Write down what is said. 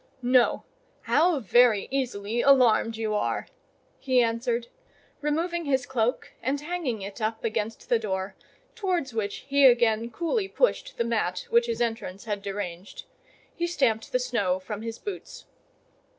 "No. How very easily alarmed you are!" he answered, removing his cloak and hanging it up against the door, towards which he again coolly pushed the mat which his entrance had deranged. He stamped the snow from his boots.